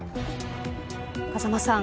風間さん